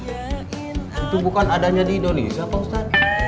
itu bukan adanya di indonesia pak ustadz